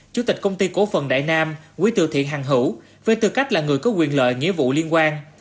chủ tịch công ty cố phần đại nam quý tự thiện hàng hữu về tư cách là người có quyền lợi nghĩa vụ liên quan